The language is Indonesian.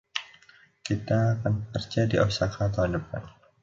Kita akan bekerja di Osaka tahun depan.